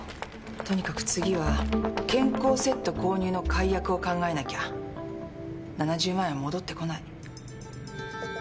とにかく次は健康セット購入の解約を考えなきゃ７０万円は戻ってこない。